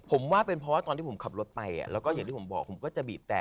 ผมว่าเป็นเพราะว่าตอนที่ผมขับรถไปแล้วก็อย่างที่ผมบอกผมก็จะบีบแต่